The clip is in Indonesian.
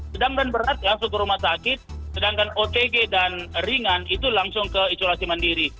sedang dan berat langsung ke rumah sakit sedangkan otg dan ringan itu langsung ke isolasi mandiri